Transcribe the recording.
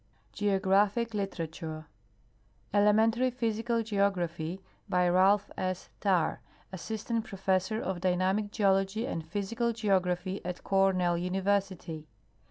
GEOGRAPHIC LITERATURE Elemeniar;/ Physical Geofimphy. By Ralph S. Tarr, Assistant Professor of Dynamic Geology and Physical Geography at Cornell University.